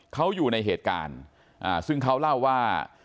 เขาอยู่ในเหตุการณ์ซึ่งเขาเล่าว่า